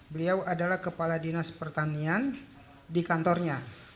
beliau adalah kepala dinas pertanian di kantornya